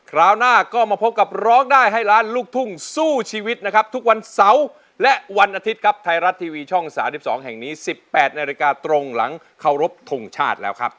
ราวหน้าก็มาพบกับร้องได้ให้ล้านลูกทุ่งสู้ชีวิตนะครับทุกวันเสาร์และวันอาทิตย์ครับไทยรัฐทีวีช่อง๓๒แห่งนี้๑๘นาฬิกาตรงหลังเคารพทงชาติแล้วครับ